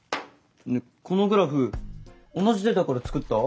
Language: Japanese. このグラフ同じデータから作った？